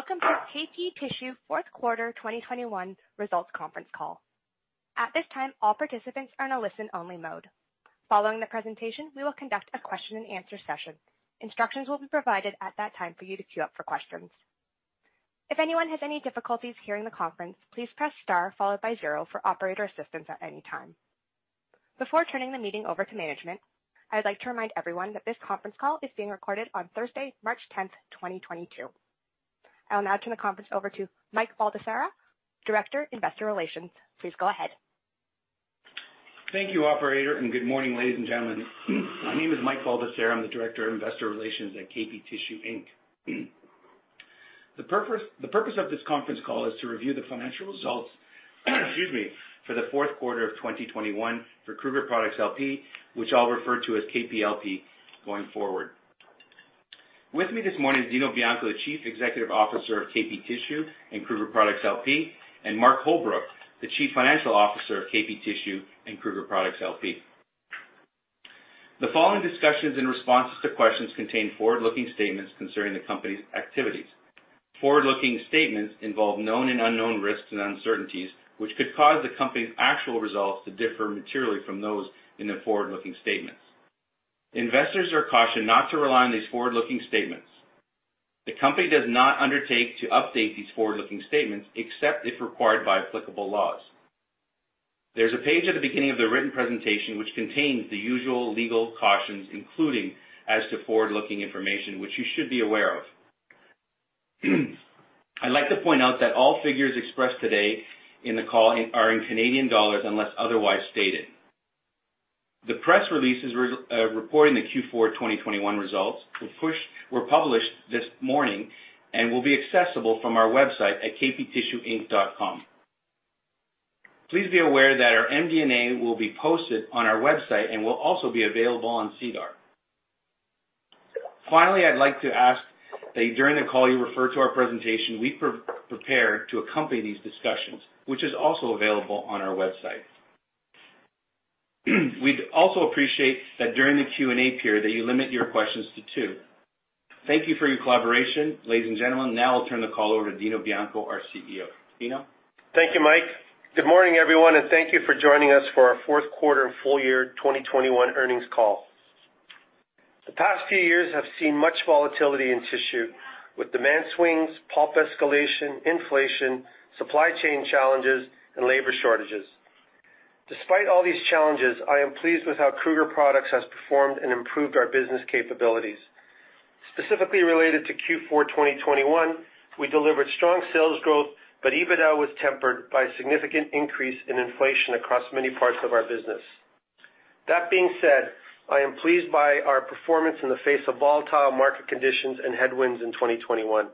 Welcome to KP Tissue Fourth Quarter 2021 Results Conference Call. At this time, all participants are in a listen-only mode. Following the presentation, we will conduct a question-and-answer session. Instructions will be provided at that time for you to queue up for questions. If anyone has any difficulties hearing the conference, please press star followed by zero for operator assistance at any time. Before turning the meeting over to management, I'd like to remind everyone that this conference call is being recorded on Thursday, March 10th, 2022. I'll now turn the conference over to Mike Baldesarra, Director, Investor Relations. Please go ahead. Thank you, Operator, and good morning, ladies and gentlemen. My name is Mike Baldesarra. I'm the Director of Investor Relations at KP Tissue Inc. The purpose of this conference call is to review the financial results, excuse me, for the fourth quarter of 2021 for Kruger Products LP, which I'll refer to as KP LP going forward. With me this morning is Dino Bianco, the Chief Executive Officer of KP Tissue and Kruger Products LP, and Mark Holbrook, the Chief Financial Officer of KP Tissue and Kruger Products LP. The following discussions and responses to questions contain forward-looking statements concerning the company's activities. Forward-looking statements involve known and unknown risks and uncertainties, which could cause the company's actual results to differ materially from those in the forward-looking statements. Investors are cautioned not to rely on these forward-looking statements. The company does not undertake to update these forward-looking statements except if required by applicable laws. There's a page at the beginning of the written presentation which contains the usual legal cautions, including as to forward-looking information, which you should be aware of. I'd like to point out that all figures expressed today in the call are in Canadian dollars unless otherwise stated. The press releases reporting the Q4 2021 results were published this morning and will be accessible from our website at kptissueinc.com. Please be aware that our MD&A will be posted on our website and will also be available on SEDAR. Finally, I'd like to ask that during the call you refer to our presentation, we prepare to accompany these discussions, which is also available on our website. We'd also appreciate that during the Q&A period that you limit your questions to two. Thank you for your collaboration, ladies and gentlemen. Now I'll turn the call over to Dino Bianco, our CEO. Dino? Thank you, Mike. Good morning, everyone, and thank you for joining us for our fourth quarter full year 2021 earnings call. The past few years have seen much volatility in tissue with demand swings, pulp escalation, inflation, supply chain challenges, and labor shortages. Despite all these challenges, I am pleased with how Kruger Products has performed and improved our business capabilities. Specifically related to Q4 2021, we delivered strong sales growth, but EBITDA was tempered by a significant increase in inflation across many parts of our business. That being said, I am pleased by our performance in the face of volatile market conditions and headwinds in 2021.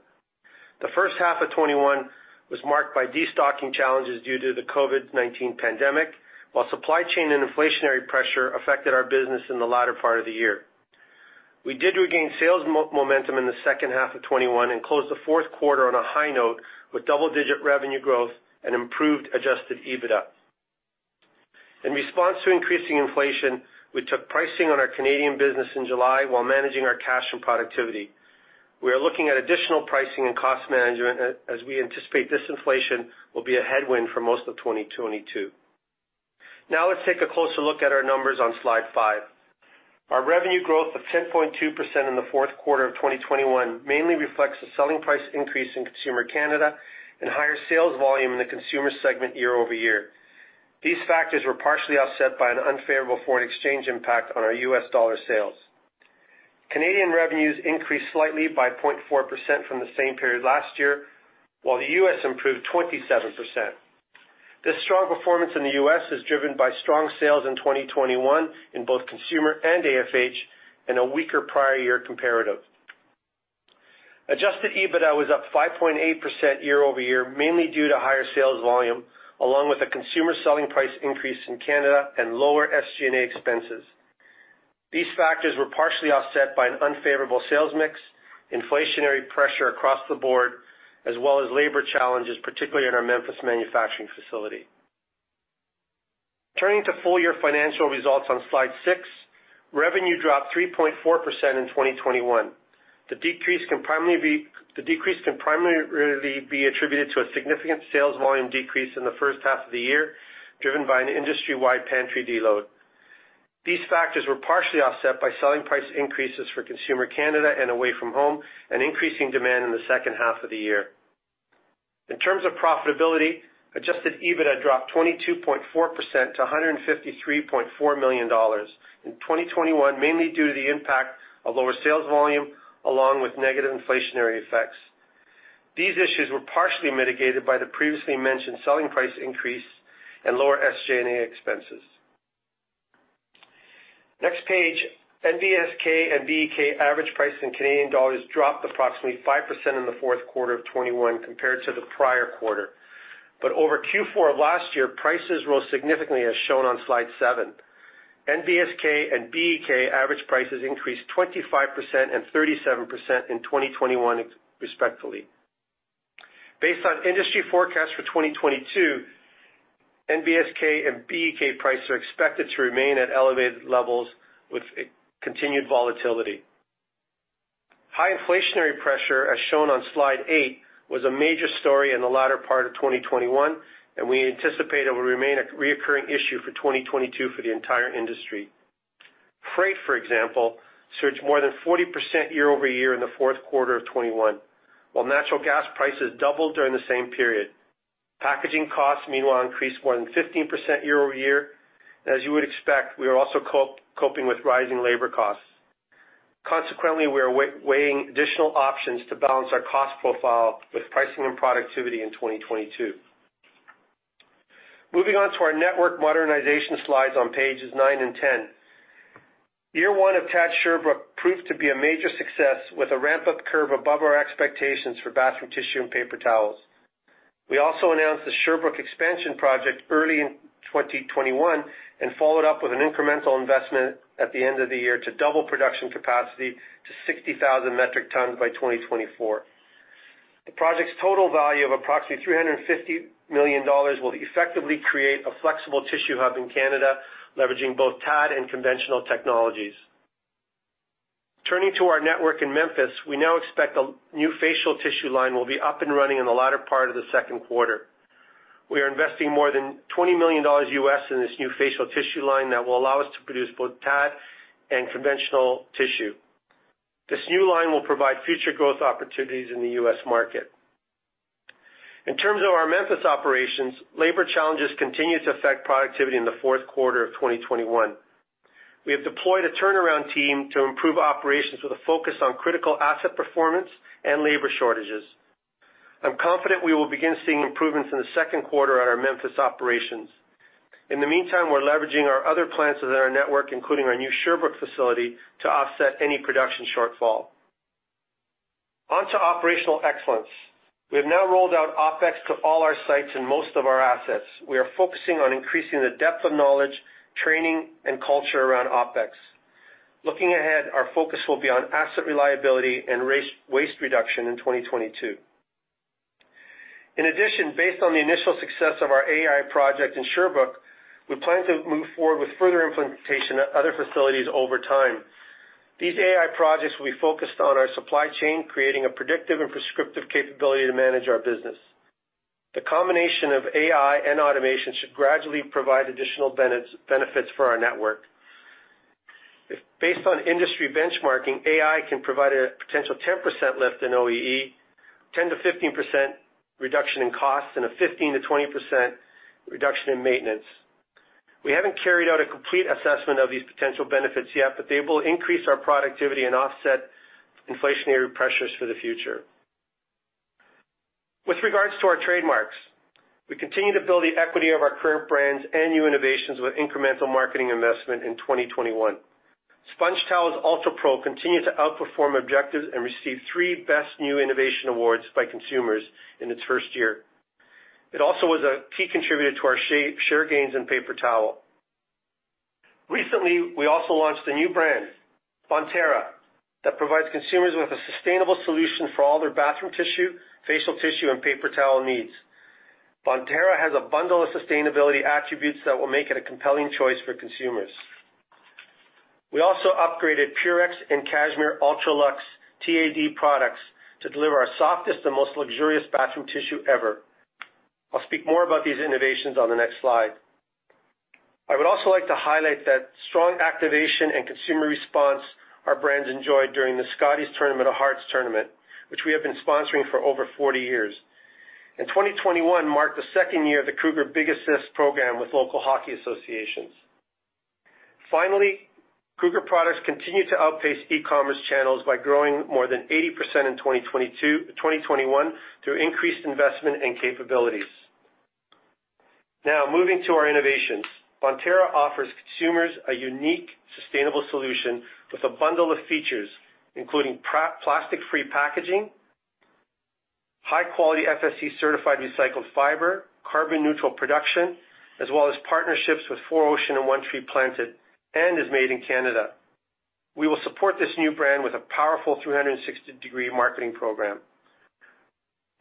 The first half of 2021 was marked by destocking challenges due to the COVID-19 pandemic, while supply chain and inflationary pressure affected our business in the latter part of the year. We did regain sales momentum in the second half of 2021 and closed the fourth quarter on a high note with double-digit revenue growth and improved adjusted EBITDA. In response to increasing inflation, we took pricing on our Canadian business in July while managing our cash and productivity. We are looking at additional pricing and cost management as we anticipate this inflation will be a headwind for most of 2022. Now let's take a closer look at our numbers on slide five. Our revenue growth of 10.2% in the fourth quarter of 2021 mainly reflects a selling price increase in consumer Canada and higher sales volume in the consumer segment year-over-year. These factors were partially offset by an unfavorable foreign exchange impact on our US dollar sales. Canadian revenues increased slightly by 0.4% from the same period last year, while the U.S. improved 27%. This strong performance in the U.S. is driven by strong sales in 2021 in both consumer and AFH and a weaker prior year comparative. Adjusted EBITDA was up 5.8% year-over-year, mainly due to higher sales volume along with a consumer selling price increase in Canada and lower SG&A expenses. These factors were partially offset by an unfavorable sales mix, inflationary pressure across the board, as well as labor challenges, particularly in our Memphis manufacturing facility. Turning to full year financial results on slide six, revenue dropped 3.4% in 2021. The decrease can primarily be attributed to a significant sales volume decrease in the first half of the year, driven by an industry-wide pantry de-load. These factors were partially offset by selling price increases for consumer Canada and away from home and increasing demand in the second half of the year. In terms of profitability, Adjusted EBITDA dropped 22.4% to 153.4 million dollars in 2021, mainly due to the impact of lower sales volume along with negative inflationary effects. These issues were partially mitigated by the previously mentioned selling price increase and lower SG&A expenses. Next page, NBSK and BEK average prices in Canadian dollars dropped approximately 5% in the fourth quarter of 2021 compared to the prior quarter. But over Q4 of last year, prices rose significantly, as shown on slide seven. NBSK and BEK average prices increased 25% and 37% in 2021, respectively. Based on industry forecasts for 2022, NBSK and BEK prices are expected to remain at elevated levels with continued volatility. High inflationary pressure, as shown on slide eight, was a major story in the latter part of 2021, and we anticipate it will remain a recurring issue for 2022 for the entire industry. Freight, for example, surged more than 40% year-over-year in the fourth quarter of 2021, while natural gas prices doubled during the same period. Packaging costs, meanwhile, increased more than 15% year-over-year. As you would expect, we are also coping with rising labor costs. Consequently, we are weighing additional options to balance our cost profile with pricing and productivity in 2022. Moving on to our network modernization slides on pages nine and 10, year one of TAD Sherbrooke proved to be a major success with a ramp-up curve above our expectations for bathroom tissue and paper towels. We also announced the Sherbrooke expansion project early in 2021 and followed up with an incremental investment at the end of the year to double production capacity to 60,000 metric tons by 2024. The project's total value of approximately 350 million dollars will effectively create a flexible tissue hub in Canada, leveraging both TAD and conventional technologies. Turning to our network in Memphis, we now expect a new facial tissue line will be up and running in the latter part of the second quarter. We are investing more than $20 million in this new facial tissue line that will allow us to produce both TAD and conventional tissue. This new line will provide future growth opportunities in the U.S. market. In terms of our Memphis operations, labor challenges continue to affect productivity in the fourth quarter of 2021. We have deployed a turnaround team to improve operations with a focus on critical asset performance and labor shortages. I'm confident we will begin seeing improvements in the second quarter at our Memphis operations. In the meantime, we're leveraging our other plants within our network, including our new Sherbrooke facility, to offset any production shortfall. On to operational excellence. We have now rolled out OpEx to all our sites and most of our assets. We are focusing on increasing the depth of knowledge, training, and culture around OpEx. Looking ahead, our focus will be on asset reliability and waste reduction in 2022. In addition, based on the initial success of our AI project in Sherbrooke, we plan to move forward with further implementation at other facilities over time. These AI projects will be focused on our supply chain, creating a predictive and prescriptive capability to manage our business. The combination of AI and automation should gradually provide additional benefits for our network. Based on industry benchmarking, AI can provide a potential 10% lift in OEE, 10%-15% reduction in costs, and a 15%-20% reduction in maintenance. We haven't carried out a complete assessment of these potential benefits yet, but they will increase our productivity and offset inflationary pressures for the future. With regards to our trademarks, we continue to build the equity of our current brands and new innovations with incremental marketing investment in 2021. SpongeTowels Ultra Pro continues to outperform objectives and receive three Best New Innovation Awards by consumers in its first year. It also was a key contributor to our share gains in paper towel. Recently, we also launched a new brand, Bontera, that provides consumers with a sustainable solution for all their bathroom tissue, facial tissue, and paper towel needs. Bonterra has a bundle of sustainability attributes that will make it a compelling choice for consumers. We also upgraded Purex and Cashmere UltraLuxe TAD products to deliver our softest and most luxurious bathroom tissue ever. I'll speak more about these innovations on the next slide. I would also like to highlight that strong activation and consumer response our brands enjoyed during the Scotties Tournament of Hearts, which we have been sponsoring for over 40 years. 2021 marked the second year of the Kruger Big Assist program with local hockey associations. Finally, Kruger Products continued to outpace e-commerce channels by growing more than 80% in 2021 through increased investment and capabilities. Now, moving to our innovations, Bonterra offers consumers a unique sustainable solution with a bundle of features, including plastic-free packaging, high-quality FSC-certified recycled fiber, carbon-neutral production, as well as partnerships with 4ocean and One Tree Planted, and is made in Canada. We will support this new brand with a powerful 360-degree marketing program.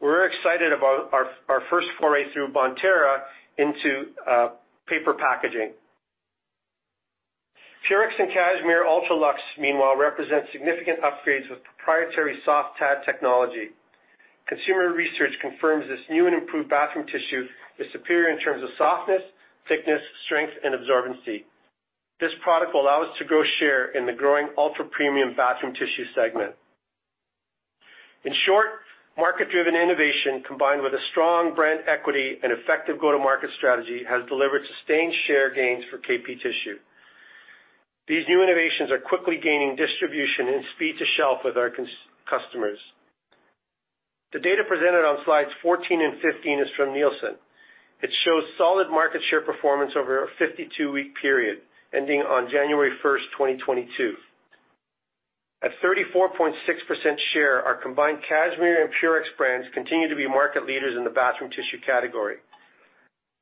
We're excited about our first foray through Bonterra into paper packaging. Purex and Cashmere UltraLuxe, meanwhile, represent significant upgrades with proprietary soft TAD technology. Consumer research confirms this new and improved bathroom tissue is superior in terms of softness, thickness, strength, and absorbency. This product will allow us to grow share in the growing ultra-premium bathroom tissue segment. In short, market-driven innovation combined with a strong brand equity and effective go-to-market strategy has delivered sustained share gains for KP Tissue. These new innovations are quickly gaining distribution and speed to shelf with our customers. The data presented on slides 14 and 15 is from Nielsen. It shows solid market share performance over a 52-week period ending on January 1st, 2022. At 34.6% share, our combined Cashmere and Purex brands continue to be market leaders in the bathroom tissue category.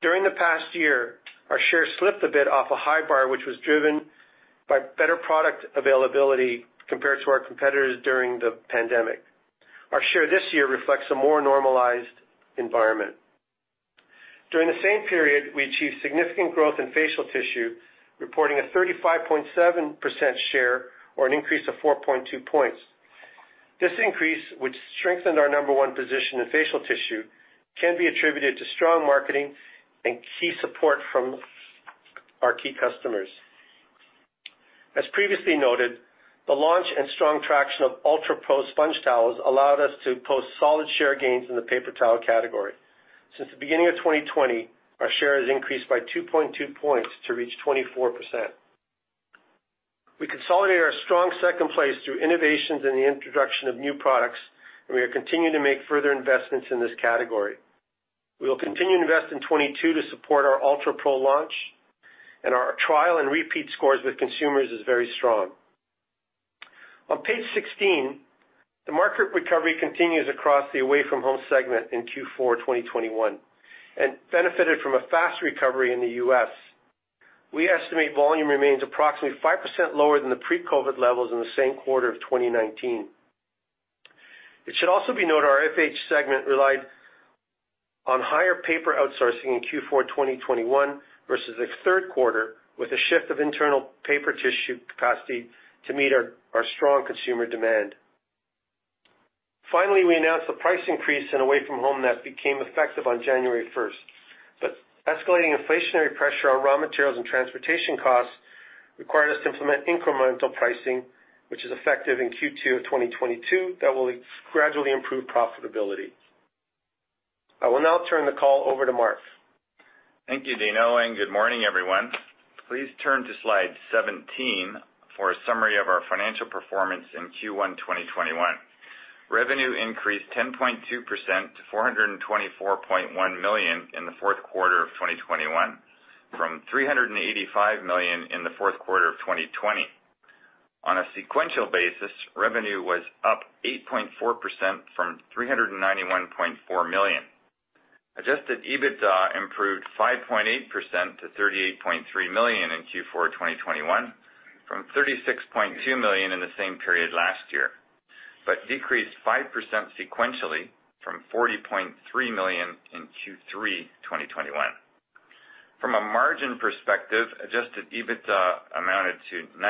During the past year, our share slipped a bit off a high bar, which was driven by better product availability compared to our competitors during the pandemic. Our share this year reflects a more normalized environment. During the same period, we achieved significant growth in facial tissue, reporting a 35.7% share or an increase of 4.2 points. This increase, which strengthened our number one position in facial tissue, can be attributed to strong marketing and key support from our key customers. As previously noted, the launch and strong traction of SpongeTowels Ultra Pro allowed us to post solid share gains in the paper towel category. Since the beginning of 2020, our share has increased by 2.2 points to reach 24%. We consolidated our strong second place through innovations and the introduction of new products, and we are continuing to make further investments in this category. We will continue to invest in 2022 to support our SpongeTowels Ultra Pro launch, and our trial and repeat scores with consumers are very strong. On page 16, the market recovery continues across the away-from-home segment in Q4 2021 and benefited from a fast recovery in the U.S. We estimate volume remains approximately 5% lower than the pre-COVID levels in the same quarter of 2019. It should also be noted, our FH segment relied on higher paper outsourcing in Q4 2021 versus the third quarter, with a shift of internal paper tissue capacity to meet our strong consumer demand. Finally, we announced the price increase in away-from-home that became effective on January 1st. But escalating inflationary pressure on raw materials and transportation costs required us to implement incremental pricing, which is effective in Q2 of 2022 that will gradually improve profitability. I will now turn the call over to Mark. Thank you, Dino, and good morning, everyone. Please turn to slide 17 for a summary of our financial performance in Q1 2021. Revenue increased 10.2% to 424.1 million in the fourth quarter of 2021, from 385 million in the fourth quarter of 2020. On a sequential basis, revenue was up 8.4% from 391.4 million. Adjusted EBITDA improved 5.8% to $38.3 million in Q4 2021, from $36.2 million in the same period last year, but decreased 5% sequentially from $40.3 million in Q3 2021. From a margin perspective, adjusted EBITDA amounted to 9%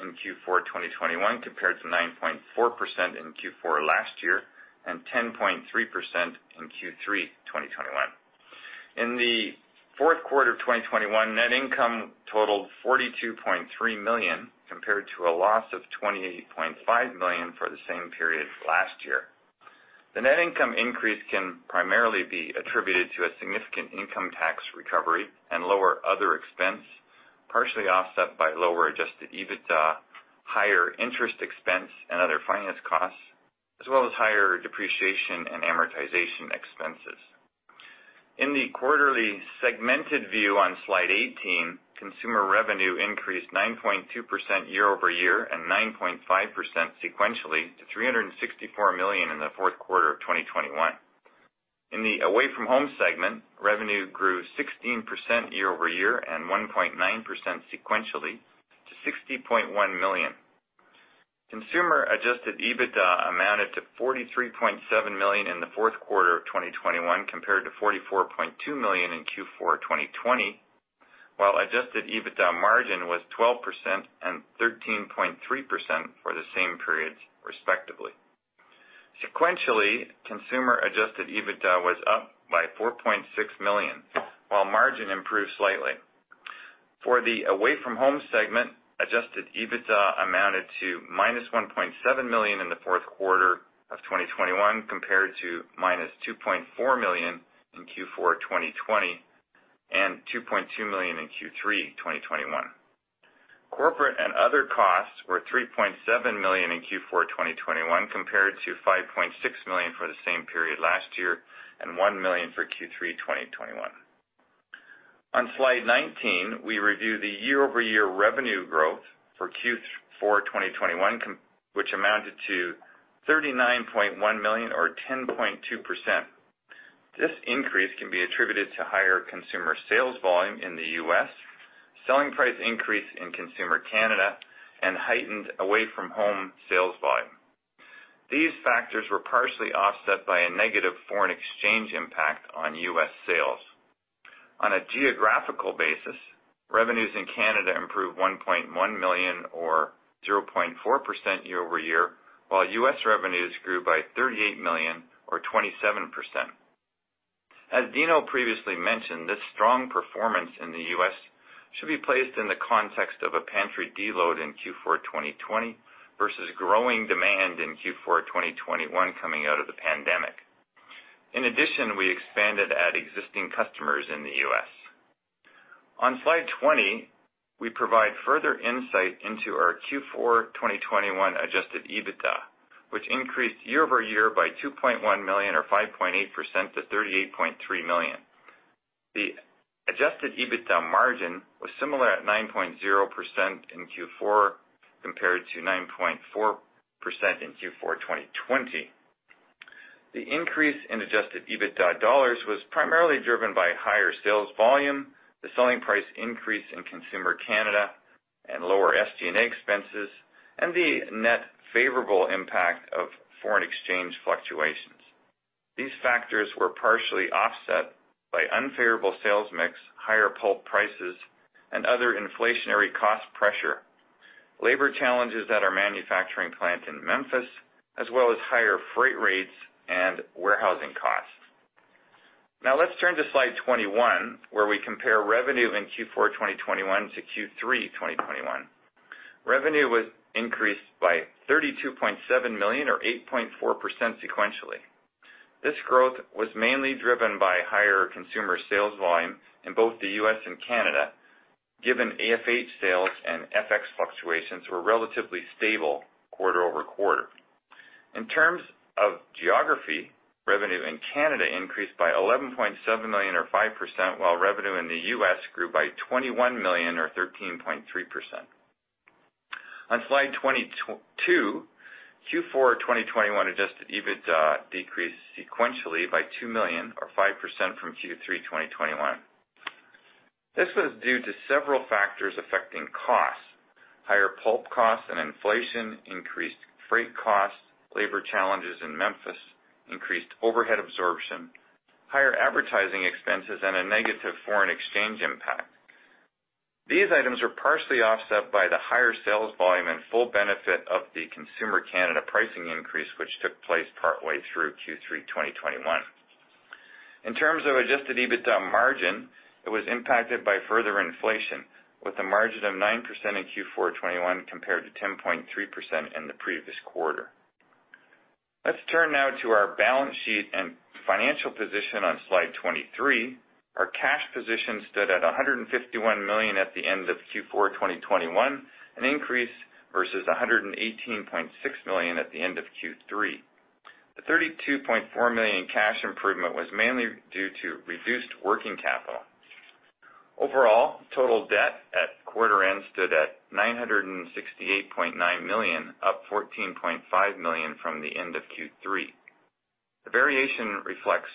in Q4 2021 compared to 9.4% in Q4 last year and 10.3% in Q3 2021. In the fourth quarter of 2021, net income totaled $42.3 million compared to a loss of $28.5 million for the same period last year. The net income increase can primarily be attributed to a significant income tax recovery and lower other expense, partially offset by lower adjusted EBITDA, higher interest expense, and other finance costs, as well as higher depreciation and amortization expenses. In the quarterly segmented view on slide 18, consumer revenue increased 9.2% year-over-year and 9.5% sequentially to $364 million in the fourth quarter of 2021. In the away-from-home segment, revenue grew 16% year-over-year and 1.9% sequentially to $60.1 million. Consumer adjusted EBITDA amounted to $43.7 million in the fourth quarter of 2021 compared to $44.2 million in Q4 2020, while adjusted EBITDA margin was 12% and 13.3% for the same periods, respectively. Sequentially, consumer adjusted EBITDA was up by $4.6 million, while margin improved slightly. For the away-from-home segment, adjusted EBITDA amounted to -$1.7 million in the fourth quarter of 2021 compared to -$2.4 million in Q4 2020 and $2.2 million in Q3 2021. Corporate and other costs were $3.7 million in Q4 2021 compared to $5.6 million for the same period last year and $1 million for Q3 2021. On slide 19, we review the year-over-year revenue growth for Q4 2021, which amounted to $39.1 million or 10.2%. This increase can be attributed to higher consumer sales volume in the U.S., selling price increase in consumer Canada, and heightened away-from-home sales volume. These factors were partially offset by a negative foreign exchange impact on U.S. sales. On a geographical basis, revenues in Canada improved 1.1 million or 0.4% year-over-year, while U.S. revenues grew by 38 million or 27%. As Dino previously mentioned, this strong performance in the U.S. should be placed in the context of a pantry deload in Q4 2020 versus growing demand in Q4 2021 coming out of the pandemic. In addition, we expanded at existing customers in the U.S. On slide 20, we provide further insight into our Q4 2021 Adjusted EBITDA, which increased year-over-year by 2.1 million or 5.8% to $38.3 million. The Adjusted EBITDA margin was similar at 9.0% in Q4 compared to 9.4% in Q4 2020. The increase in Adjusted EBITDA dollars was primarily driven by higher sales volume, the selling price increase in consumer Canada, and lower SG&A expenses, and the net favorable impact of foreign exchange fluctuations. These factors were partially offset by unfavorable sales mix, higher pulp prices, and other inflationary cost pressure, labor challenges at our manufacturing plant in Memphis, as well as higher freight rates and warehousing costs. Now, let's turn to slide 21, where we compare revenue in Q4 2021 to Q3 2021. Revenue was increased by 32.7 million or 8.4% sequentially. This growth was mainly driven by higher consumer sales volume in both the U.S. and Canada, given AFH sales and FX fluctuations were relatively stable quarter-over-quarter. In terms of geography, revenue in Canada increased by 11.7 million or 5%, while revenue in the U.S. grew by $21 million or 13.3%. On slide 22, Q4 2021 Adjusted EBITDA decreased sequentially by $2 million or 5% from Q3 2021. This was due to several factors affecting costs: higher pulp costs and inflation, increased freight costs, labor challenges in Memphis, increased overhead absorption, higher advertising expenses, and a negative foreign exchange impact. These items were partially offset by the higher sales volume and full benefit of the consumer Canada pricing increase, which took place partway through Q3 2021. In terms of Adjusted EBITDA margin, it was impacted by further inflation, with a margin of 9% in Q4 2021 compared to 10.3% in the previous quarter. Let's turn now to our balance sheet and financial position on slide 23. Our cash position stood at $151 million at the end of Q4 2021, an increase versus $118.6 million at the end of Q3. The $32.4 million cash improvement was mainly due to reduced working capital. Overall, total debt at quarter end stood at $968.9 million, up $14.5 million from the end of Q3. The variation reflects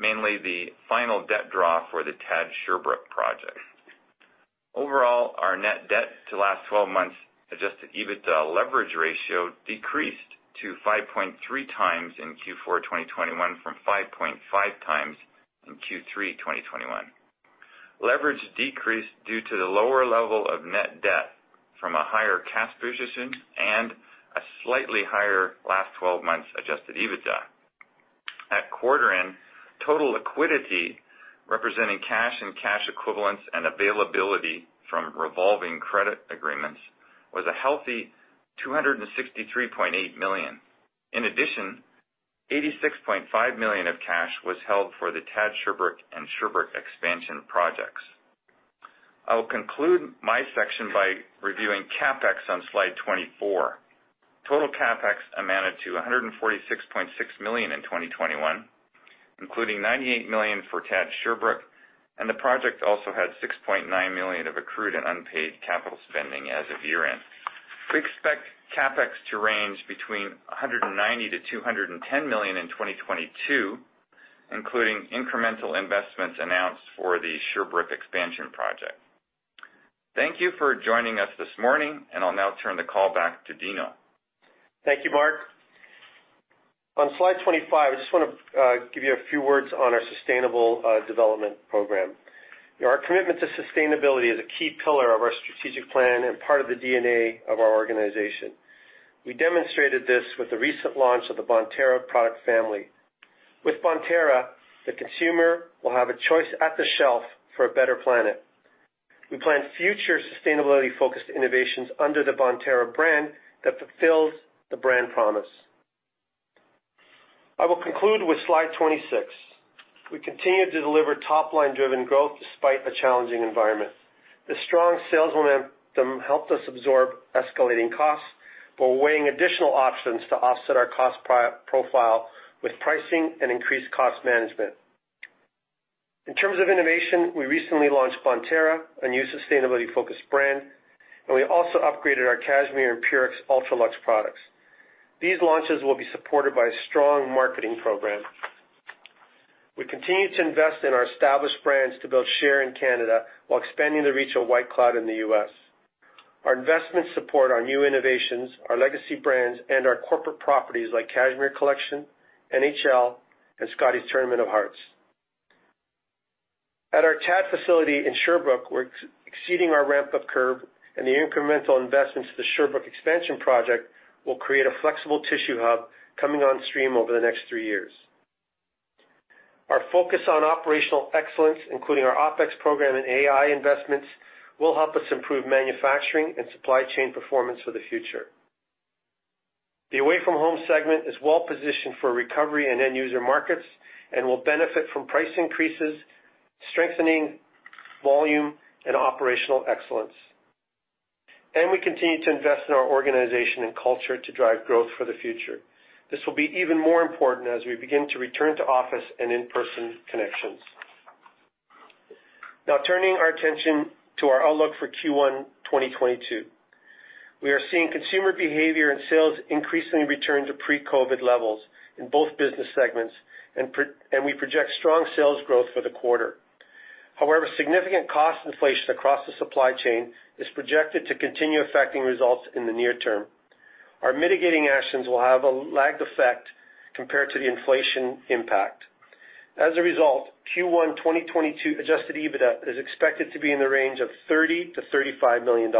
mainly the final debt draw for the TAD Sherbrooke project. Overall, our net debt to last 12 months Adjusted EBITDA leverage ratio decreased to 5.3 times in Q4 2021 from 5.5 times in Q3 2021. Leverage decreased due to the lower level of net debt from a higher cash position and a slightly higher last 12 months Adjusted EBITDA. At quarter end, total liquidity representing cash and cash equivalents and availability from revolving credit agreements was a healthy $263.8 million. In addition, $86.5 million of cash was held for the TAD Sherbrooke and Sherbrooke expansion projects. I'll conclude my section by reviewing CapEx on slide 24. Total CapEx amounted to $146.6 million in 2021, including $98 million for TAD Sherbrooke, and the project also had $6.9 million of accrued and unpaid capital spending as of year-end. We expect CapEx to range between $190-$210 million in 2022, including incremental investments announced for the Sherbrooke expansion project. Thank you for joining us this morning, and I'll now turn the call back to Dino. Thank you, Mark. On slide 25, I just want to give you a few words on our sustainable development program. Our commitment to sustainability is a key pillar of our strategic plan and part of the DNA of our organization. We demonstrated this with the recent launch of the Bontera product family. With Bontera, the consumer will have a choice at the shelf for a better planet. We plan future sustainability-focused innovations under the Bontera brand that fulfills the brand promise. I will conclude with slide 26. We continue to deliver top-line-driven growth despite a challenging environment. The strong sales momentum helped us absorb escalating costs, but we're weighing additional options to offset our cost profile with pricing and increased cost management. In terms of innovation, we recently launched Bontera, a new sustainability-focused brand, and we also upgraded our Cashmere and Purex UltraLuxe products. These launches will be supported by a strong marketing program. We continue to invest in our established brands to build share in Canada while expanding the reach of White Cloud in the U.S. Our investments support our new innovations, our legacy brands, and our corporate properties like Cashmere Collection, NHL, and Scotties Tournament of Hearts. At our TAD facility in Sherbrooke, we're exceeding our ramp-up curve, and the incremental investments to the Sherbrooke expansion project will create a flexible tissue hub coming on stream over the next three years. Our focus on operational excellence, including our OpEx program and AI investments, will help us improve manufacturing and supply chain performance for the future. The away-from-home segment is well-positioned for recovery and end-user markets and will benefit from price increases, strengthening volume, and operational excellence. We continue to invest in our organization and culture to drive growth for the future. This will be even more important as we begin to return to office and in-person connections. Now, turning our attention to our outlook for Q1 2022. We are seeing consumer behavior and sales increasingly return to pre-COVID levels in both business segments, and we project strong sales growth for the quarter. However, significant cost inflation across the supply chain is projected to continue affecting results in the near term. Our mitigating actions will have a lagged effect compared to the inflation impact. As a result, Q1 2022 Adjusted EBITDA is expected to be in the range of $30 million-$35 million.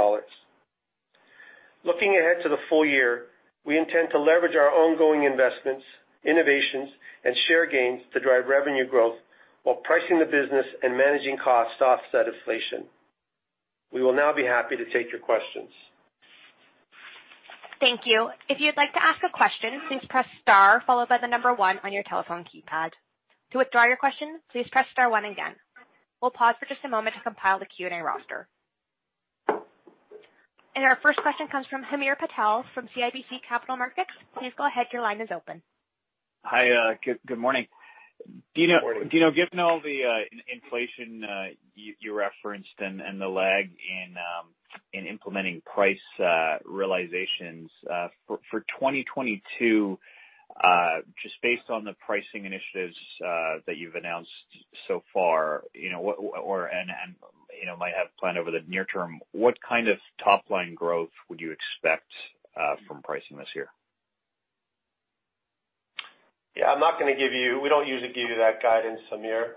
Looking ahead to the full year, we intend to leverage our ongoing investments, innovations, and share gains to drive revenue growth while pricing the business and managing costs to offset inflation. We will now be happy to take your questions. Thank you. If you'd like to ask a question, please press star followed by the number one on your telephone keypad. To withdraw your question, please press star one again. We'll pause for just a moment to compile the Q&A roster. Our first question comes from Hamir Patel from CIBC Capital Markets. Please go ahead. Your line is open. Hi. Good morning. Dino, given all the inflation you referenced and the lag in implementing price realizations for 2022, just based on the pricing initiatives that you've announced so far and might have planned over the near term, what kind of top-line growth would you expect from pricing this year? Yeah. I'm not going to give you. We don't usually give you that guidance, Hamir,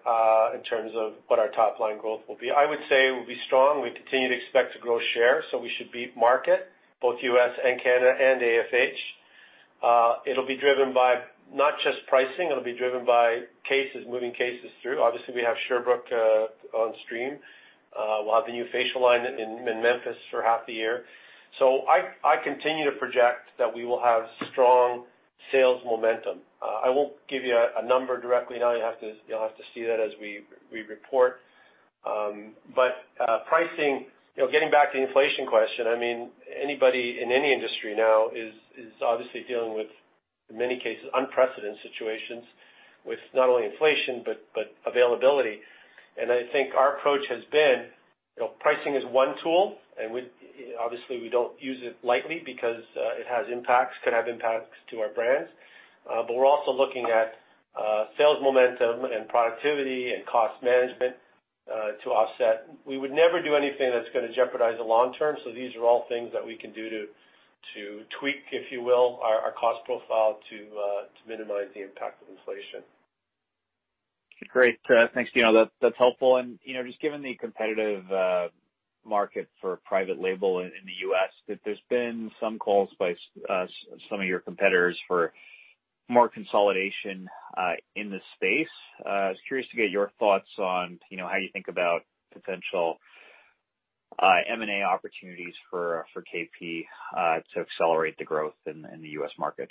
in terms of what our top-line growth will be. I would say it will be strong. We continue to expect to grow share, so we should beat market, both U.S., and Canada and AFH. It'll be driven by not just pricing. It'll be driven by moving cases through. Obviously, we have Sherbrooke on stream. We'll have the new facial line in Memphis for half the year. So I continue to project that we will have strong sales momentum. I won't give you a number directly now. You'll have to see that as we report. But pricing, getting back to the inflation question, I mean, anybody in any industry now is obviously dealing with, in many cases, unprecedented situations with not only inflation but availability. And I think our approach has been pricing is one tool, and obviously, we don't use it lightly because it could have impacts to our brands. But we're also looking at sales momentum and productivity and cost management to offset. We would never do anything that's going to jeopardize the long term, so these are all things that we can do to tweak, if you will, our cost profile to minimize the impact of inflation. Great. Thanks, Dino. That's helpful. And just given the competitive market for private label in the U.S., there's been some calls by some of your competitors for more consolidation in the space. I was curious to get your thoughts on how you think about potential M&A opportunities for KP to accelerate the growth in the U.S. market.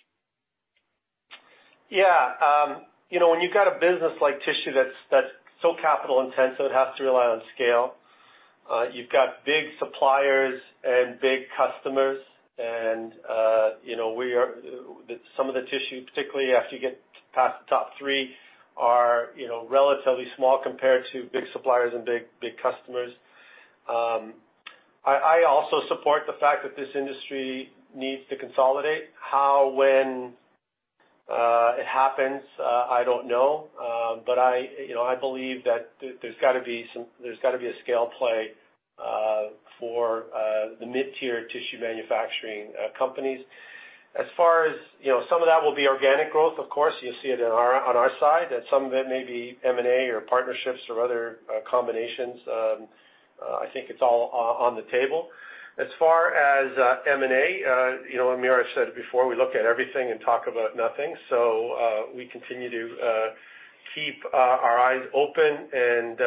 Yeah. When you've got a business like tissue that's so capital-intensive it has to rely on scale, you've got big suppliers and big customers, and some of the tissue, particularly after you get past the top three, are relatively small compared to big suppliers and big customers. I also support the fact that this industry needs to consolidate. How, when it happens, I don't know, but I believe that there's got to be a scale play for the mid-tier tissue manufacturing companies. As far as some of that will be organic growth, of course. You'll see it on our side. Some of it may be M&A or partnerships or other combinations. I think it's all on the table. As far as M&A, Hamir said it before, we look at everything and talk about nothing. So we continue to keep our eyes open and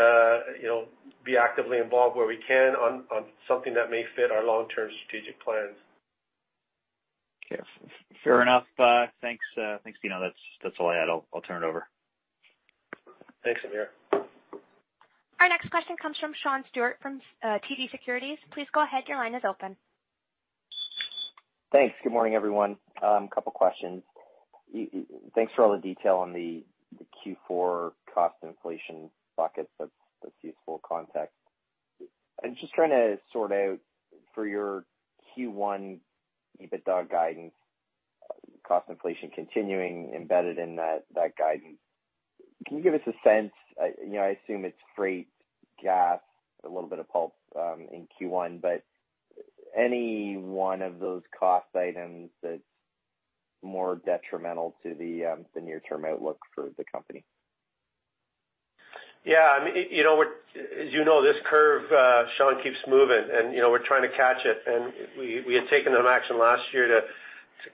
be actively involved where we can on something that may fit our long-term strategic plans. Fair enough. Thanks, Dino. That's all I had. I'll turn it over. Thanks, Hamir. Our next question comes from Sean Stewart from TD Securities. Please go ahead. Your line is open. Thanks. Good morning, everyone. A couple of questions. Thanks for all the detail on the Q4 cost inflation bucket. That's useful context. I'm just trying to sort out for your Q1 EBITDA guidance, cost inflation continuing embedded in that guidance. Can you give us a sense? I assume it's freight, gas, a little bit of pulp in Q1, but any one of those cost items that's more detrimental to the near-term outlook for the company? Yeah. As you know, this curve, Sean, keeps moving, and we're trying to catch it. And we had taken some action last year to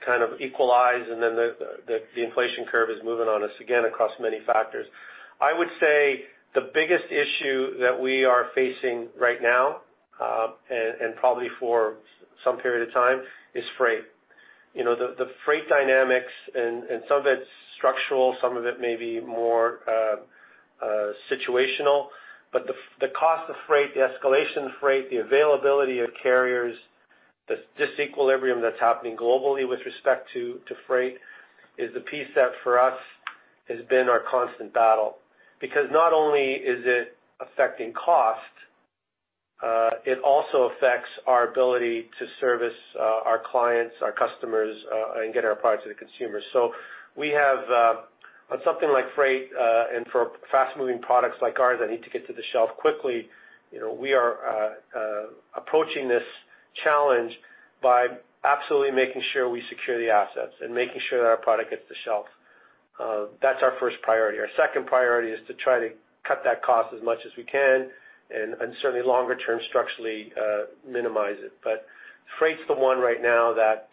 kind of equalize, and then the inflation curve is moving on us again across many factors. I would say the biggest issue that we are facing right now and probably for some period of time is freight. The freight dynamics, and some of it's structural, some of it may be more situational, but the cost of freight, the escalation of freight, the availability of carriers, the disequilibrium that's happening globally with respect to freight is the piece that for us has been our constant battle. Because not only is it affecting cost, it also affects our ability to service our clients, our customers, and get our product to the consumer. So we have, on something like freight and for fast-moving products like ours that need to get to the shelf quickly, we are approaching this challenge by absolutely making sure we secure the assets and making sure that our product gets to the shelf. That's our first priority. Our second priority is to try to cut that cost as much as we can and certainly longer-term structurally minimize it. But freight's the one right now that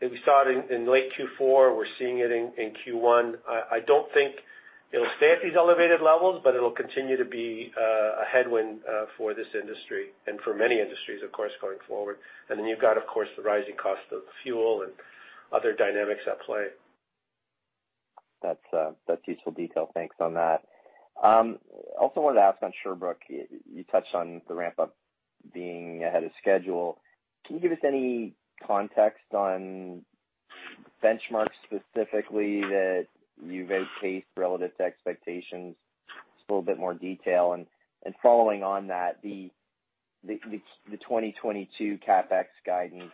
we saw it in late Q4. We're seeing it in Q1. I don't think it'll stay at these elevated levels, but it'll continue to be a headwind for this industry and for many industries, of course, going forward. And then you've got, of course, the rising cost of fuel and other dynamics at play. That's useful detail. Thanks on that. Also wanted to ask on Sherbrooke, you touched on the ramp-up being ahead of schedule. Can you give us any context on benchmarks specifically that you've outpaced relative to expectations? Just a little bit more detail. And following on that, the 2022 CapEx guidance,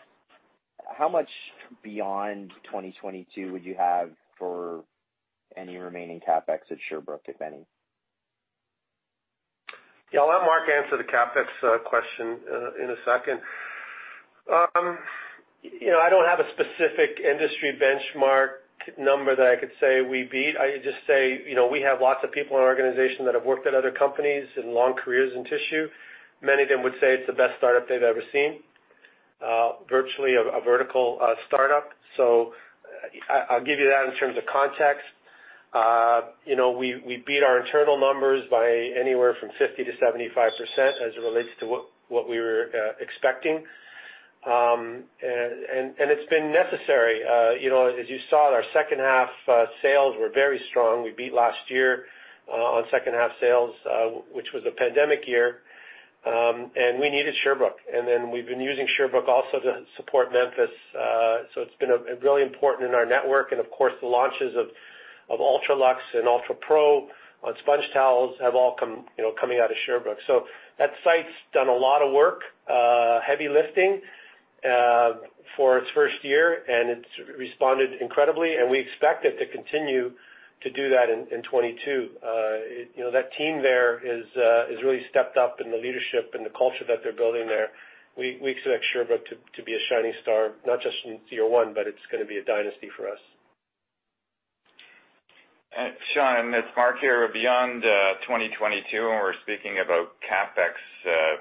how much beyond 2022 would you have for any remaining CapEx at Sherbrooke, if any? Yeah. I'll let Mark answer the CapEx question in a second. I don't have a specific industry benchmark number that I could say we beat. I just say we have lots of people in our organization that have worked at other companies and long careers in tissue. Many of them would say it's the best startup they've ever seen, virtually a vertical startup. So I'll give you that in terms of context. We beat our internal numbers by anywhere from 50%-75% as it relates to what we were expecting. And it's been necessary. As you saw, our second-half sales were very strong. We beat last year on second-half sales, which was a pandemic year. And we needed Sherbrooke. And then we've been using Sherbrooke also to support Memphis. So it's been really important in our network. And of course, the launches of UltraLuxe and Ultra Pro on SpongeTowels have all come out of Sherbrooke. So that site's done a lot of work, heavy lifting for its first year, and it's responded incredibly. And we expect it to continue to do that in 2022. That team there has really stepped up in the leadership and the culture that they're building there. We expect Sherbrooke to be a shining star, not just in year 1, but it's going to be a dynasty for us. Sean, that's Mark here. Beyond 2022, and we're speaking about CapEx,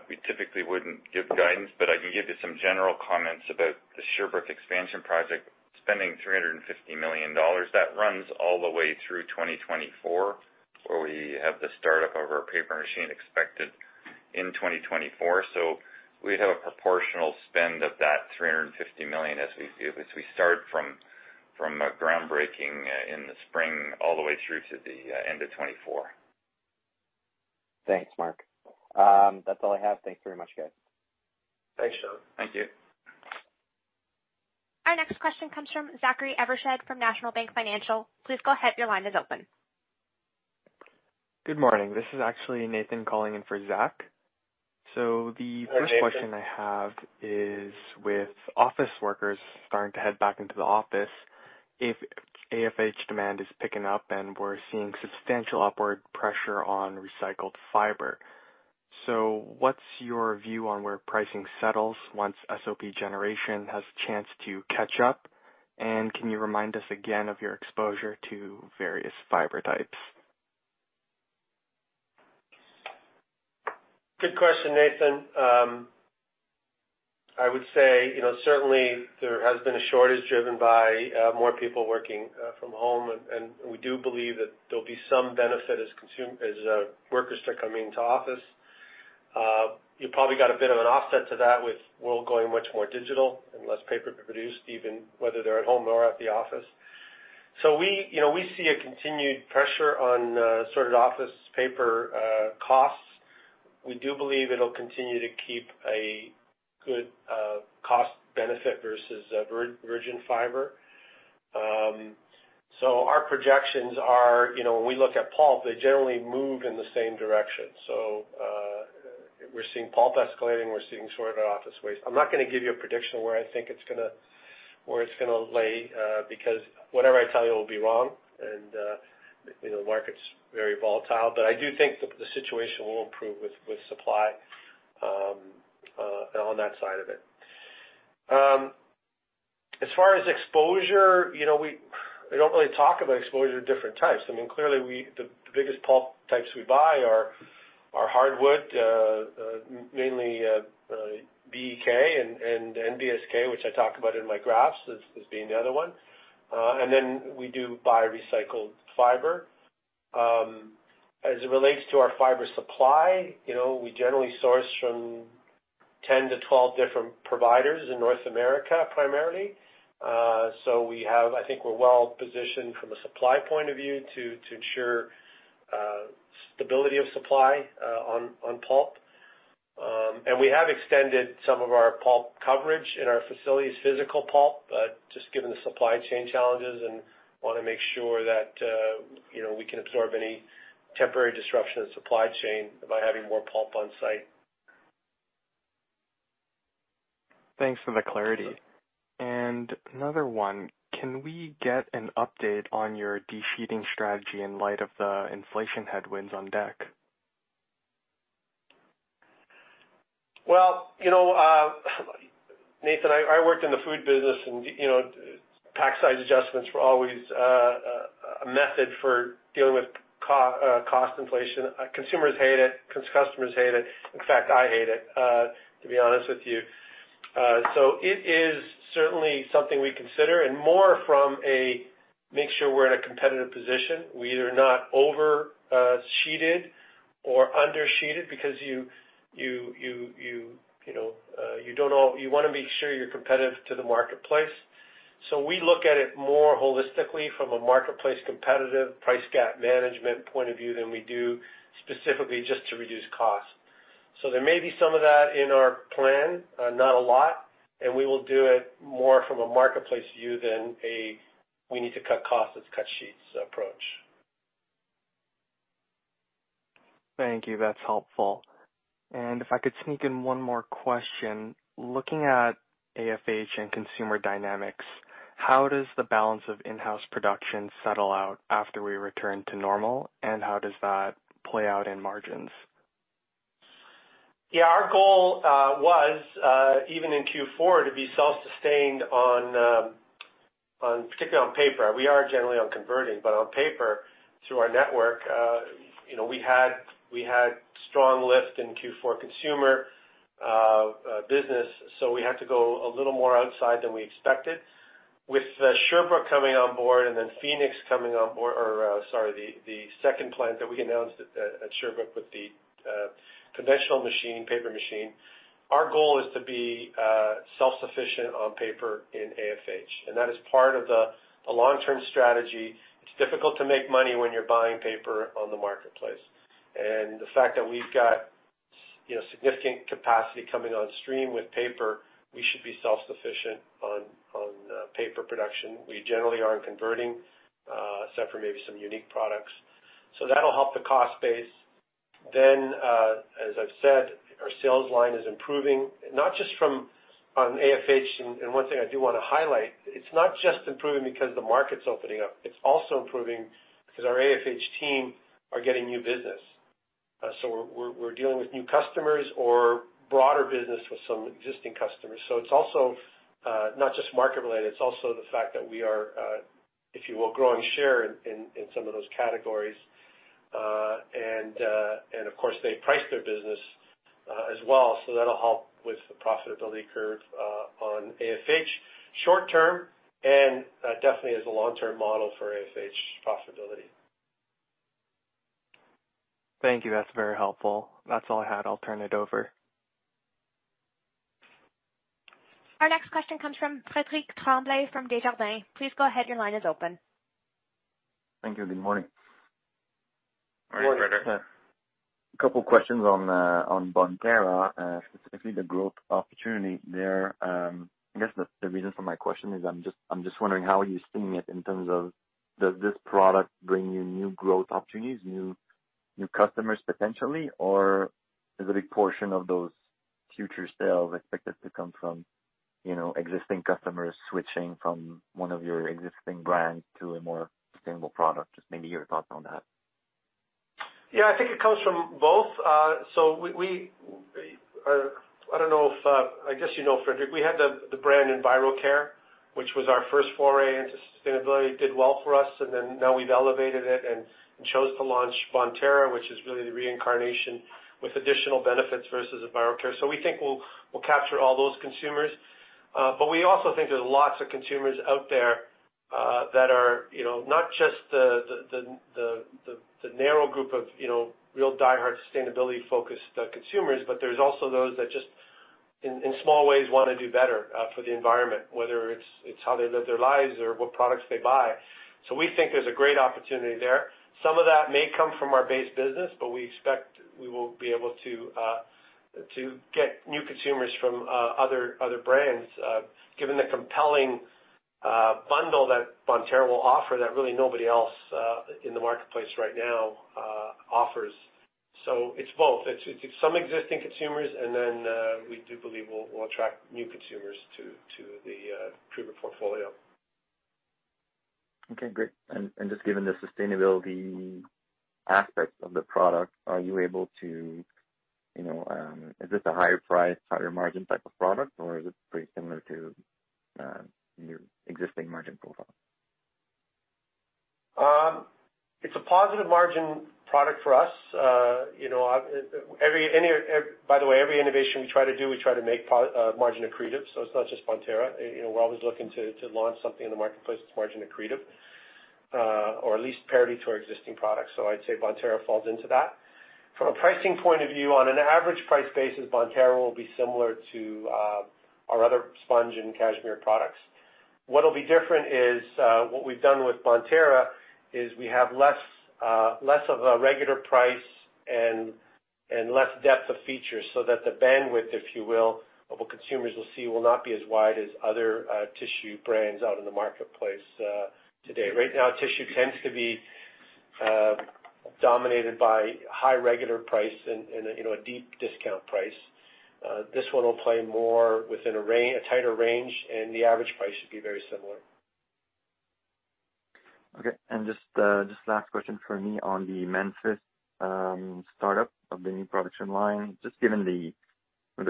we typically wouldn't give guidance, but I can give you some general comments about the Sherbrooke expansion project, spending $350 million. That runs all the way through 2024, where we have the startup of our paper machine expected in 2024. So we'd have a proportional spend of that $350 million as we start from groundbreaking in the spring all the way through to the end of 2024. Thanks, Mark. That's all I have. Thanks very much, guys. Thanks, Sean. Thank you. Our next question comes from Zachary Evershed from National Bank Financial. Please go ahead. Your line is open. Good morning. This is actually Nathan calling in for Zach. So the first question I have is with office workers starting to head back into the office, if AFH demand is picking up and we're seeing substantial upward pressure on recycled fiber. So what's your view on where pricing settles once SOP generation has a chance to catch up? And can you remind us again of your exposure to various fiber types? Good question, Nathan. I would say certainly there has been a shortage driven by more people working from home, and we do believe that there'll be some benefit as workers start coming into office. You probably got a bit of an offset to that with the world going much more digital and less paper produced, even whether they're at home or at the office. So we see a continued pressure on sorted office paper costs. We do believe it'll continue to keep a good cost benefit versus virgin fiber. So our projections are when we look at pulp, they generally move in the same direction. So we're seeing pulp escalating. We're seeing sorted office waste. I'm not going to give you a prediction where I think it's going to lay because whatever I tell you will be wrong, and the market's very volatile. But I do think the situation will improve with supply on that side of it. As far as exposure, we don't really talk about exposure to different types. I mean, clearly, the biggest pulp types we buy are hardwood, mainly BEK and NBSK, which I talk about in my graphs as being the other one. And then we do buy recycled fiber. As it relates to our fiber supply, we generally source from 10-12 different providers in North America primarily. So I think we're well-positioned from a supply point of view to ensure stability of supply on pulp. And we have extended some of our pulp coverage in our facilities, physical pulp, just given the supply chain challenges and want to make sure that we can absorb any temporary disruption of supply chain by having more pulp on site. Thanks for the clarity. And another one. Can we get an update on your pricing strategy in light of the inflation headwinds on deck? Well, Nathan, I worked in the food business, and pack size adjustments were always a method for dealing with cost inflation. Consumers hate it. Customers hate it. In fact, I hate it, to be honest with you. So it is certainly something we consider, and more from a make sure we're in a competitive position. We're either not oversheeted or undersheeted because you don't want to make sure you're competitive to the marketplace. So we look at it more holistically from a marketplace competitive price gap management point of view than we do specifically just to reduce costs. So there may be some of that in our plan, not a lot, and we will do it more from a marketplace view than a we need to cut costs, let's cut sheets approach. Thank you. That's helpful. And if I could sneak in one more question, looking at AFH and consumer dynamics, how does the balance of in-house production settle out after we return to normal, and how does that play out in margins? Yeah. Our goal was, even in Q4, to be self-sustained on particularly on paper. We are generally on converting, but on paper, through our network, we had strong lift in Q4 consumer business, so we had to go a little more outside than we expected. With Sherbrooke coming on board and then Phoenix coming on board or sorry, the second plant that we announced at Sherbrooke with the conventional machine, paper machine, our goal is to be self-sufficient on paper in AFH. That is part of the long-term strategy. It's difficult to make money when you're buying paper on the marketplace. The fact that we've got significant capacity coming on stream with paper, we should be self-sufficient on paper production. We generally aren't converting except for maybe some unique products. That'll help the cost base. As I've said, our sales line is improving, not just from on AFH. One thing I do want to highlight, it's not just improving because the market's opening up. It's also improving because our AFH team are getting new business. So we're dealing with new customers or broader business with some existing customers. So it's also not just market-related. It's also the fact that we are, if you will, growing share in some of those categories. And of course, they price their business as well. So that'll help with the profitability curve on AFH short-term and definitely as a long-term model for AFH profitability. Thank you. That's very helpful. That's all I had. I'll turn it over. Our next question comes from Frederic Tremblay from Desjardins. Please go ahead. Your line is open. Thank you. Good morning. Morning, Freder. A couple of questions on Bonterra, specifically the growth opportunity there. I guess the reason for my question is I'm just wondering how you're seeing it in terms of does this product bring you new growth opportunities, new customers potentially, or is a big portion of those future sales expected to come from existing customers switching from one of your existing brands to a more sustainable product? Just maybe your thoughts on that. Yeah. I think it comes from both. So I don't know if I guess you know, Frederic, we had the brand EnviroCare, which was our first foray into sustainability, did well for us. And then now we've elevated it and chose to launch Bonterra, which is really the reincarnation with additional benefits versus EnviroCare. So we think we'll capture all those consumers. But we also think there's lots of consumers out there that are not just the narrow group of real die-hard sustainability-focused consumers, but there's also those that just in small ways want to do better for the environment, whether it's how they live their lives or what products they buy. So we think there's a great opportunity there. Some of that may come from our base business, but we expect we will be able to get new consumers from other brands given the compelling bundle that Bonterra will offer that really nobody else in the marketplace right now offers. So it's both. It's some existing consumers, and then we do believe we'll attract new consumers to the Kruger portfolio. Okay. Great. Just given the sustainability aspect of the product, is this a higher-priced, higher-margin type of product, or is it pretty similar to your existing margin profile? It's a positive margin product for us. By the way, every innovation we try to do, we try to make margin accretive. So it's not just Bonterra. We're always looking to launch something in the marketplace that's margin accretive or at least parity to our existing products. So I'd say Bonterra falls into that. From a pricing point of view, on an average price basis, Bonterra will be similar to our other Sponge and Cashmere products. What'll be different is what we've done with Bonterra is we have less of a regular price and less depth of features so that the bandwidth, if you will, of what consumers will see will not be as wide as other tissue brands out in the marketplace today. Right now, tissue tends to be dominated by high regular price and a deep discount price. This one will play more within a tighter range, and the average price should be very similar. Okay. And just last question for me on the Memphis startup of the new production line. Just given the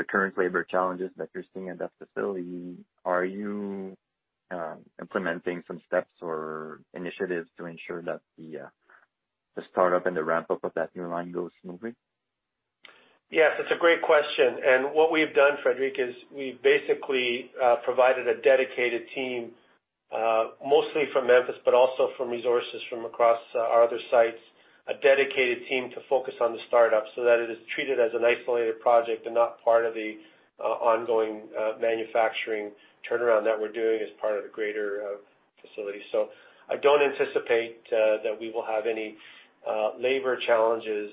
current labor challenges that you're seeing at that facility, are you implementing some steps or initiatives to ensure that the startup and the ramp-up of that new line goes smoothly? Yes. It's a great question. What we've done, Frederic, is we've basically provided a dedicated team, mostly from Memphis, but also from resources from across our other sites, a dedicated team to focus on the startup so that it is treated as an isolated project and not part of the ongoing manufacturing turnaround that we're doing as part of the greater facility. So I don't anticipate that we will have any labor challenges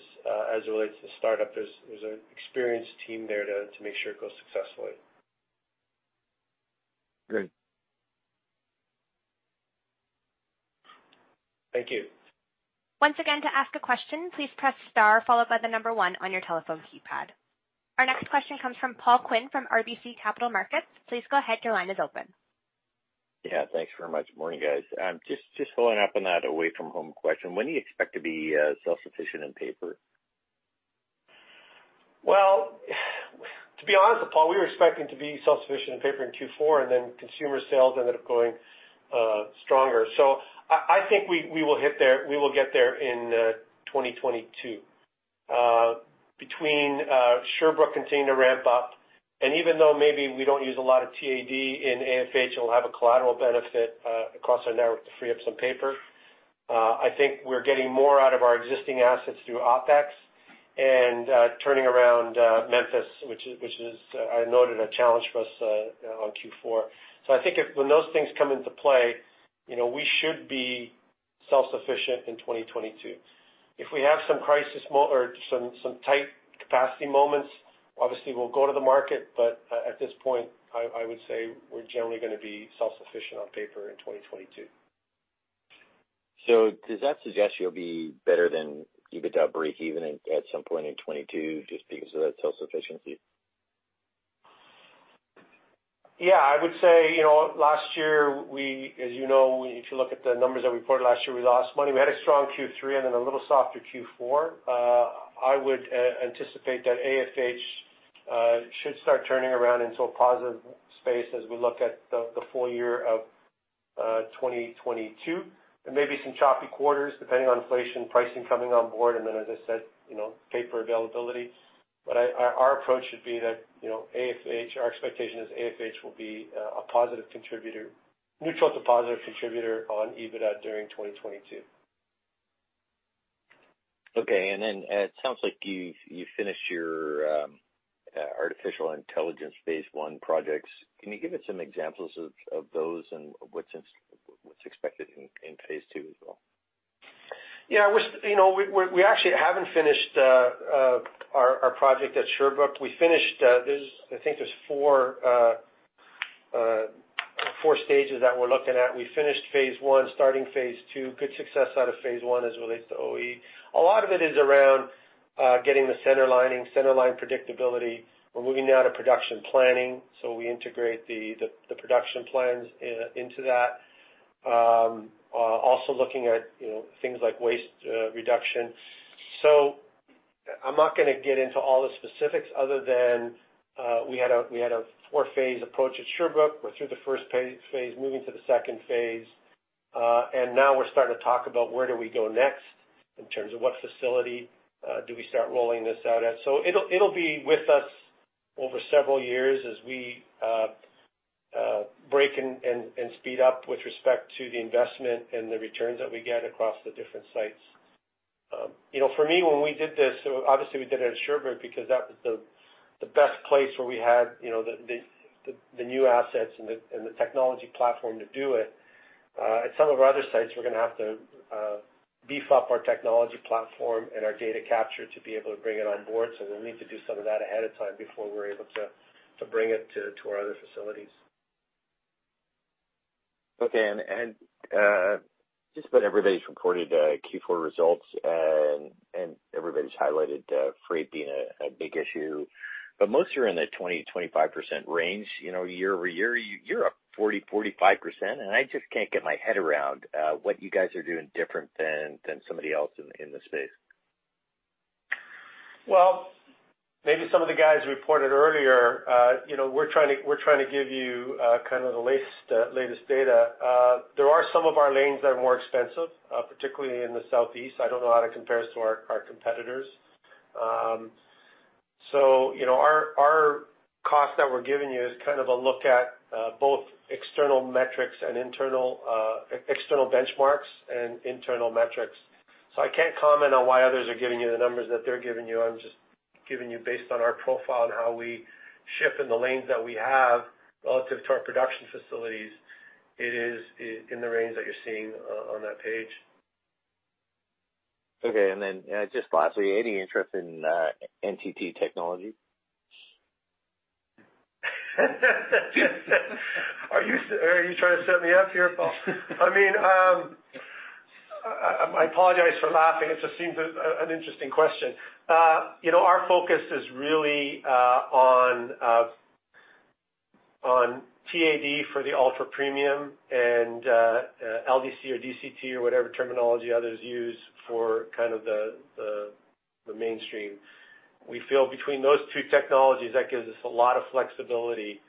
as it relates to the startup. There's an experienced team there to make sure it goes successfully. Great. Thank you. Once again, to ask a question, please press star followed by the number one on your telephone keypad. Our next question comes from Paul Quinn from RBC Capital Markets. Please go ahead. Your line is open. Yeah. Thanks very much. Morning, guys. Just following up on that away-from-home question, when do you expect to be self-sufficient in paper? Well, to be honest, Paul, we were expecting to be self-sufficient in paper in Q4, and then consumer sales ended up going stronger. So I think we will get there in 2022 between Sherbrooke continuing to ramp up. And even though maybe we don't use a lot of TAD in AFH, it'll have a collateral benefit across our network to free up some paper. I think we're getting more out of our existing assets through OpEx and turning around Memphis, which I noted a challenge for us on Q4. So I think when those things come into play, we should be self-sufficient in 2022. If we have some crisis or some tight capacity moments, obviously, we'll go to the market. But at this point, I would say we're generally going to be self-sufficient on paper in 2022. So does that suggest you'll be better than breakeven even at some point in 2022 just because of that self-sufficiency? Yeah. I would say last year, as you know, if you look at the numbers that we put last year, we lost money. We had a strong Q3 and then a little softer Q4. I would anticipate that AFH should start turning around into a positive space as we look at the full year of 2022 and maybe some choppy quarters depending on inflation, pricing coming on board, and then, as I said, paper availability. But our approach should be that our expectation is AFH will be a positive contributor, neutral to positive contributor on EBITDA during 2022. Okay. And then it sounds like you've finished your artificial intelligence phase I projects. Can you give us some examples of those and what's expected in phase II as well? Yeah. We actually haven't finished our project at Sherbrooke. I think there's 4 stages that we're looking at. We finished phase I, starting phase II, good success out of phase I as it relates to OE. A lot of it is around getting the center line, center line predictability. We're moving now to production planning. So we integrate the production plans into that, also looking at things like waste reduction. So I'm not going to get into all the specifics other than we had a 4-phase approach at Sherbrooke. We're through the first phase, moving to the second phase. And now we're starting to talk about where do we go next in terms of what facility do we start rolling this out at. So it'll be with us over several years as we break and speed up with respect to the investment and the returns that we get across the different sites. For me, when we did this, obviously, we did it at Sherbrooke because that was the best place where we had the new assets and the technology platform to do it. At some of our other sites, we're going to have to beef up our technology platform and our data capture to be able to bring it on board. So we'll need to do some of that ahead of time before we're able to bring it to our other facilities. Okay. And just about everybody's reported Q4 results, and everybody's highlighted freight being a big issue. But most are in the 20%-25% range. Year-over-year, you're up 40%-45%. I just can't get my head around what you guys are doing different than somebody else in the space. Well, maybe some of the guys reported earlier. We're trying to give you kind of the latest data. There are some of our lanes that are more expensive, particularly in the southeast. I don't know how it compares to our competitors. Our cost that we're giving you is kind of a look at both external metrics and external benchmarks and internal metrics. I can't comment on why others are giving you the numbers that they're giving you. I'm just giving you based on our profile and how we ship in the lanes that we have relative to our production facilities. It is in the range that you're seeing on that page. Okay. Then just lastly, any interest in NTT technology? Are you trying to set me up here? I mean, I apologize for laughing. It just seems an interesting question. Our focus is really on TAD for the ultra premium and LDC or DCT or whatever terminology others use for kind of the mainstream. We feel between those two technologies, that gives us a lot of flexibility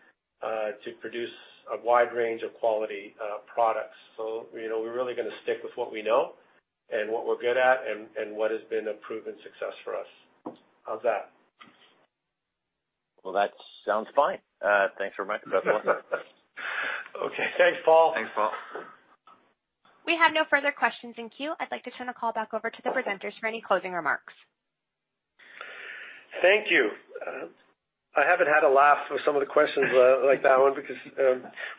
to produce a wide range of quality products. So we're really going to stick with what we know and what we're good at and what has been a proven success for us. How's that? Well, that sounds fine. Thanks very much. Okay. Thanks, Paul. Thanks, Paul. We have no further questions in queue. I'd like to turn the call back over to the presenters for any closing remarks. Thank you. I haven't had a laugh with some of the questions like that one because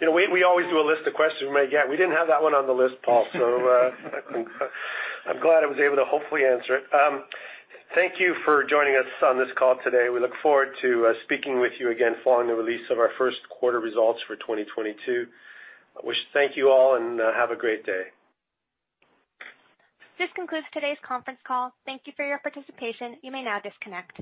we always do a list of questions we might get. We didn't have that one on the list, Paul. So I'm glad I was able to hopefully answer it. Thank you for joining us on this call today. We look forward to speaking with you again following the release of our first quarter results for 2022. Thank you all, and have a great day. This concludes today's conference call. Thank you for your participation. You may now disconnect.